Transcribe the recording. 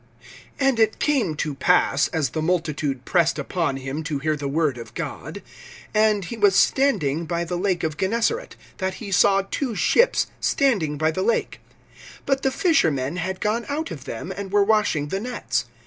V. AND it came to pass, as the multitude pressed upon him to hear the word of God, and he was standing by the lake of Gennesaret, (2)that he saw two ships standing by the lake; but the fishermen had gone out of them, and were washing the nets.